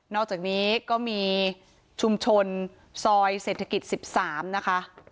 อกจากนี้ก็มีชุมชนซอยเศรษฐกิจ๑๓นะคะ